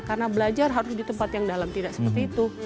karena belajar harus di tempat yang dalam tidak seperti itu